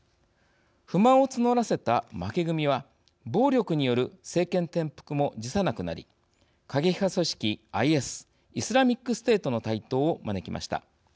不満を募らせた負け組は暴力による政権転覆も辞さなくなり過激派組織ＩＳ＝イスラミックステートの台頭を招きました。